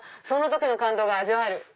その時の感動が味わえる！